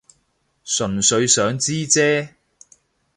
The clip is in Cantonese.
純粹想知啫